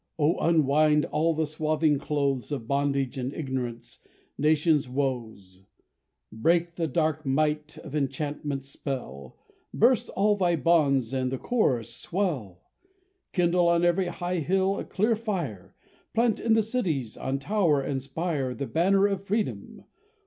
O unwind all the swathing clothes Of bondage and ignorance, nations' woes: Break the dark might of enchantment's spell, Burst all thy bonds, and the chorus swell! Kindle on every high hill a clear fire: Plant in the cities, on tower and spire, The banner of Freedom!